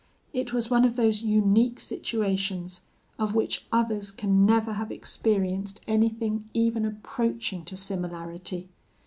It was one of those unique situations of which others can never have experienced anything even approaching to similarity.